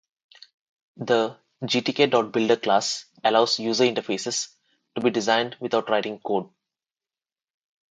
The "Gtk.Builder class" allows user interfaces to be designed without writing code.